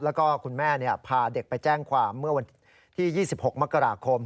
แล้วก็คุณแม่พาเด็กไปแจ้งความเมื่อวันที่๒๖มกราคม